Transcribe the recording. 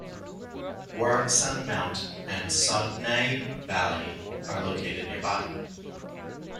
Woraksan Mount and Songnae valley are located nearby.